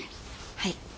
はい。